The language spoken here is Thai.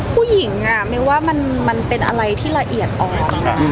ผู้หญิงมิวว่ามันเป็นอะไรที่ละเอียดอ่อน